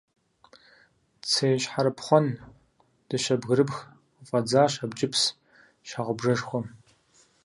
Цей, щхьэрыпхъуэн, дыщэ бгырыпх къыфӀэдзащ абджыпс щхьэгъубжэшхуэм.